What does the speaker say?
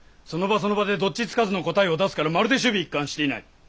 その場その場でどっちつかずの答えを出すからまるで首尾一貫していない。